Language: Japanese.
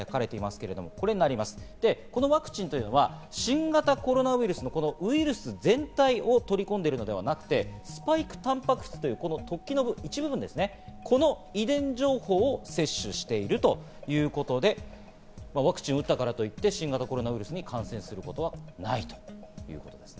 このワクチンというのは新型コロナウイルスのウイルス全体を取り込んでいるのではなくて、スパイクタンパク質という、この突起の一部分、この遺伝情報を接種しているということで、ワクチンを打ったからといって新型コロナウイルスに感染することはないということです。